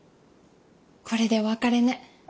これでお別れね。